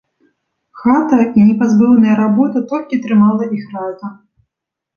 Хата і непазбыўная работа толькі трымала іх разам.